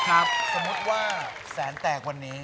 สมมุติว่าแสนแตกวันนี้